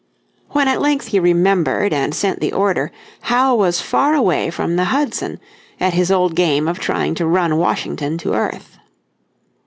When at length he remembered, and sent the order, Howe was far away from the Hudson, at his old game of trying to run Washington to earth.